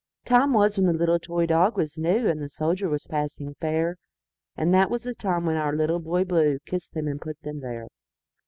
Time was when the little toy dog was new, And the soldier was passing fair; And that was the time when our Little Boy BlueKissed them and put them there.